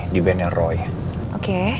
di band nya roy oke